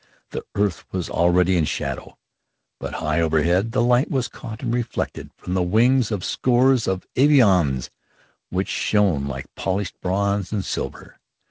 The earth was already in shadow, but high overhead the light was caught and reflected from the wings of scores of avions which shone like polished bronze and silver.